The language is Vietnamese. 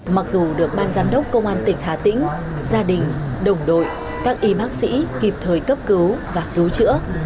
mặc dù được ban giám đốc công an tỉnh hà tĩnh gia đình đồng đội các y bác sĩ kịp thời cấp cứu và cứu chữa